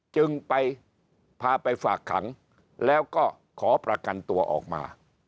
จึงไปพาไปฝากขังแล้วก็ขอประกันตัวออกมา